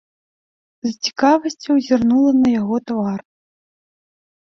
З цікавасцю зірнула на яго твар.